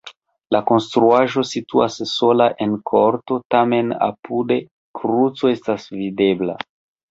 La konstruaĵo situas sola en korto, tamen apude kruco estas videbla.